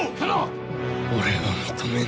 俺は認めぬ。